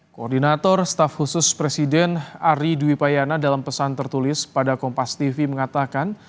koordinator staf khusus presiden ari dwi payana dalam pesan tertulis pada kompas tv mengatakan